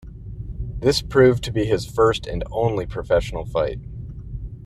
This proved to be his first and only professional fight.